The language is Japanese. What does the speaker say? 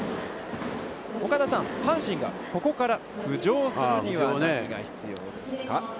岡田さん、阪神がここから浮上するには何が必要ですか。